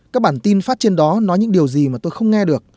các bản tin phát trên đó nói những điều gì mà tôi không nghe được